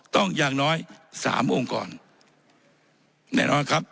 ต้องอย่างน้อย๓องค์กรแน่นอน